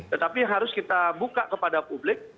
tetapi harus kita buka kepada publik